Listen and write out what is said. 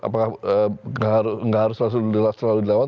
apakah nggak harus langsung selalu dilawan